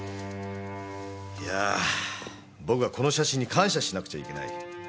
いやぁ僕はこの写真に感謝しなくちゃいけない。